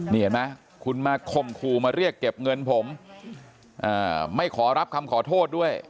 นี่เห็นไหมคุณมาข่มขู่มาเรียกเก็บเงินผมไม่ขอรับคำขอโทษด้วย